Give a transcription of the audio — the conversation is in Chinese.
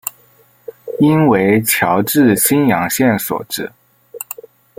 应为侨置新阳县所置。